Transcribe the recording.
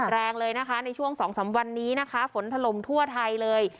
แรงเลยนะคะในช่วง๒๓วันนี้นะคะฝนถล่มทั่วไทยเลย